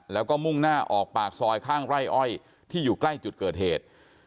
แล้วก็มุ่งหน้าออกปากซอยข้างไร่อ้อยที่อยู่ใกล้จุดเกิดเหตุ